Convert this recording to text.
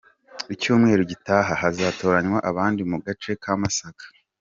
Icyumweru gitaha hazatoranywa abandi mu gace ka Masaka.